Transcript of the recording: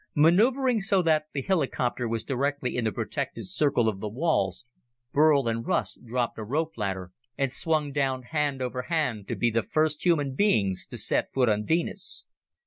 Maneuvering so that the helicopter was directly in the protected circle of the walls, Burl and Russ dropped a rope ladder and swung down hand over hand to be the first human beings to set foot on Venus.